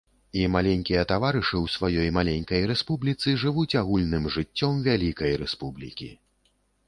І маленькія таварышы ў сваёй маленькай рэспубліцы жывуць агульным жыццём вялікай рэспублікі.